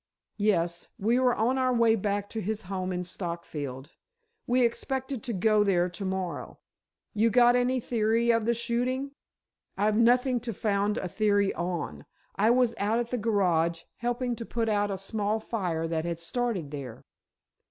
"Yes; we were on our way back to his home in Stockfield—we expected to go there to morrow." "You got any theory of the shooting?" "I've nothing to found a theory on. I was out at the garage helping to put out a small fire that had started there."